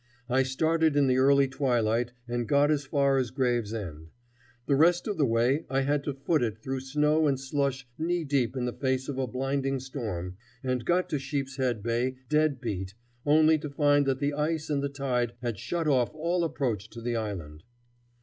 I started in the early twilight and got as far as Gravesend. The rest of the way I had to foot it through snow and slush knee deep in the face of a blinding storm, and got to Sheepshead Bay dead beat, only to find that the ice and the tide had shut off all approach to the island.